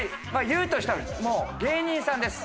言うとしたらもう芸人さんです。